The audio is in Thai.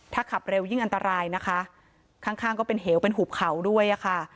ถ้าขับเร็วยิ่งอันตรายนะคะข้างข้างก็เป็นเหวเป็นหุบเขาด้วยอะค่ะ